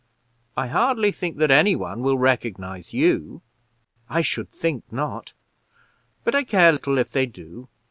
I hardly think that any one will recognize you." "I should think not; but I care little if they do.